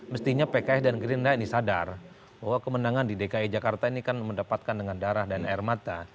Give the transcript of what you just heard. mestinya pks dan gerindra ini sadar bahwa kemenangan di dki jakarta ini kan mendapatkan dengan darah dan air mata